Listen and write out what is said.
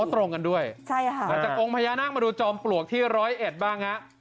ตรงกันด้วยใช่ค่ะอาจจะองค์พญานาคมาดูจอมปลวกที่ร้อยเอ็ดบ้างฮะ